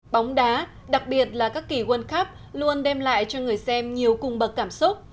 bóng đá đặc biệt là các kỳ world cup luôn đem lại cho người xem nhiều cùng bậc cảm xúc